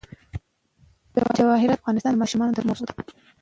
جواهرات د افغان ماشومانو د لوبو موضوع ده.